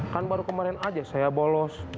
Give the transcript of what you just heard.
kan baru kemarin aja saya bolos